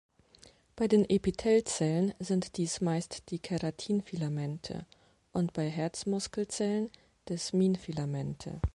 Bei den Epithelzellen sind dies meist die Keratin-Filamente und bei Herzmuskelzellen Desmin-Filamente.